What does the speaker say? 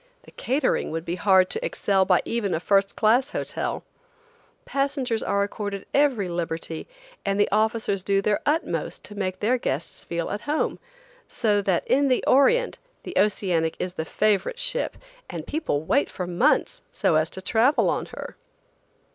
The catering would be hard to excel by even a first class hotel. Passengers are accorded every liberty, and the officers do their utmost to make their guests feel at home, so that in the Orient the Oceanic is the favorite ship, and people wait for months so as to travel on her.